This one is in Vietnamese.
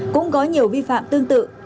cũng có nhiều vi phạm tương tự